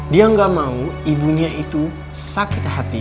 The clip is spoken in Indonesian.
dia nggak mau ibunya itu sakit hati